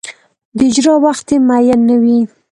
د اجرا وخت یې معین نه وي.